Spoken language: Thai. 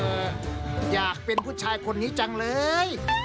อยากเป็นผู้ชายคนนี้จังเลย